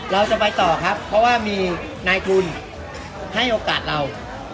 เราจะไปต่อครับเพราะว่ามีนายทุนให้โอกาสเรา